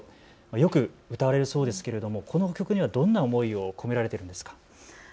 よく歌われるそうですけれどもこの曲にはどんな思いを込められているんですか。